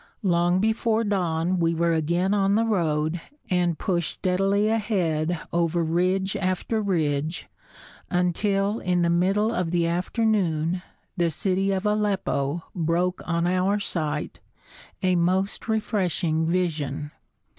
Long before dawn we were again on the road and pushed steadily ahead over ridge after ridge, until, in the middle of the afternoon, the city of Aleppo broke on our sight, a most refreshing vision.